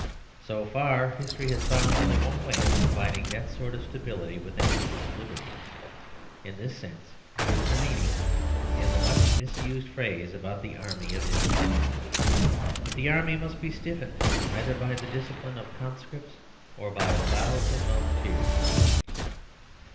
So far history has found only one way of com bining that sort of stability with any sort of liberty. In this sense there is a meaning in the much misused phrase about the army of industry. But the army must be stiffened 100 The Superstition of Divorce either by the discipline of conscripts or by the vows of volunteers.